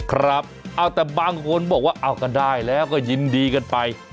ครับเอาแต่บางคนบอกว่าเอาก็ได้แล้วก็ยินดีกันไป